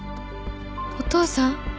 お父さん？